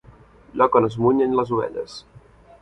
Lloc on es munyen les ovelles.